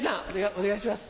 お願いします。